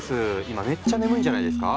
今めっちゃ眠いんじゃないですか？